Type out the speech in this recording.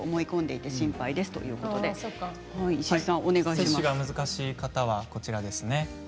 接種が難しい方はこちらです。